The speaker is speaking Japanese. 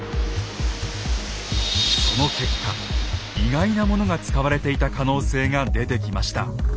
その結果意外なものが使われていた可能性が出てきました。